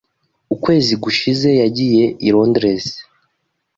Ukwezi gushize yagiye i Londres .